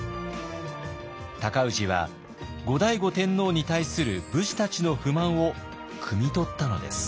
尊氏は後醍醐天皇に対する武士たちの不満をくみとったのです。